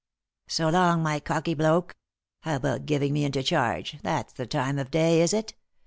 "So long, my cocky bloke 1 How about giving me into charge — that's the time of day, is it